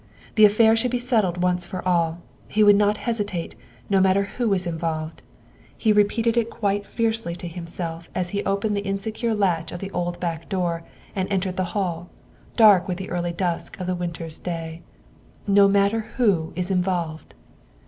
The affair should be settled once for all; he would not hesitate, no matter who was involved. He repeated it quite fiercely to him THE SECRETARY OF STATE 247 self as he opened the insecure latch of the old back door and entered the hall, dark with the early dusk of the winter's day. 11 No matter who is involved."